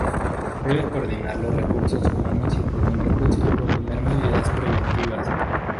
Debe coordinar los recursos humanos y económicos y proponer medidas preventivas.